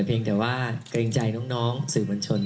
เพียงแต่ว่ากระยิ่งใจน้องสื่อมัญชน